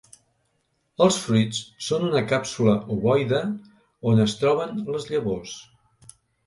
Els fruits són una càpsula ovoide on es troben les llavors.